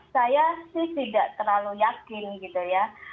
saya sih tidak terlalu yakin gitu ya